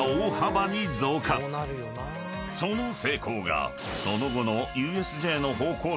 ［その成功がその後の］